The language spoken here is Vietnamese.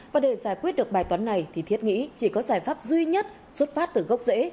và để giải quyết được bài toán này thì thiết nghĩ chỉ có giải pháp duy nhất xuất phát từ gốc rễ